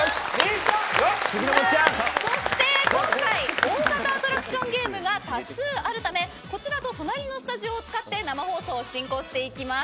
そして今回、大型アトラクションゲームが多数あるためこちらと隣のスタジオを使って生放送進行していきます。